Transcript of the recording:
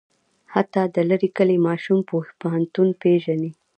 حتی د لرې کلي ماشوم پوهنتون پېژني.